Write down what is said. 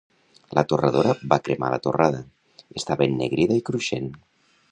La torradora va cremar la torrada; estava ennegrida i cruixent.